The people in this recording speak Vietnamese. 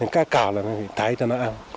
cá cào là mình phải thái cho nó ăn